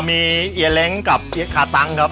มีเอียเล้งกับขาตังครับ